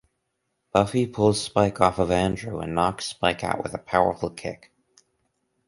Buffy pulls Spike off of Andrew and knocks Spike out with a powerful kick.